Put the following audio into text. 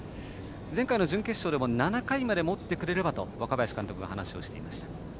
前回の準決勝でも７回までもってくれればと若林監督は話していました。